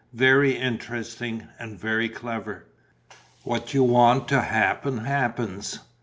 "Very interesting and very clever. What you want to happen happens."